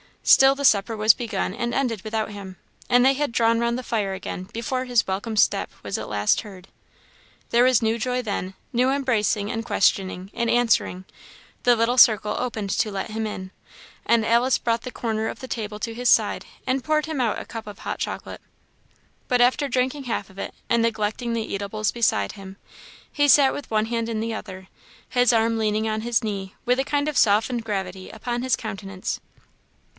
Still the supper was begun and ended without him, and they had drawn round the fire again before his welcome step was at last heard. There was new joy then; new embracing, and questioning, and answering; the little circle opened to let him in; and Alice brought the corner of the table to his side and poured him out a cup of hot chocolate. But, after drinking half of it, and neglecting the eatables beside him, he sat with one hand in the other, his arm leaning on his knee, with a kind of softened gravity upon his countenance.